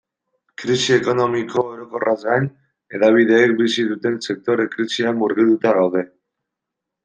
Krisi ekonomiko orokorraz gain, hedabideek bizi duten sektore-krisian murgilduta gaude.